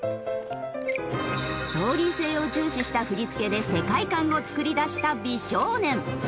ストーリー性を重視した振り付けで世界観を作り出した美少年。